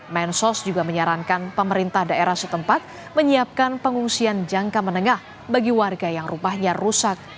mensos juga menyarankan pemerintah daerah setempat menyiapkan pengungsian jangka menengah bagi warga yang rumahnya rusak